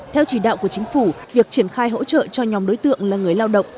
theo chỉ đạo của chính phủ việc triển khai hỗ trợ cho nhóm đối tượng là người lao động